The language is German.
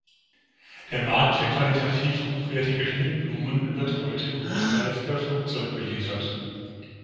Der Markt für qualitativ hochwertige Schnittblumen wird heute großteils per Flugzeug beliefert.